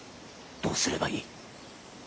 どうすればいい？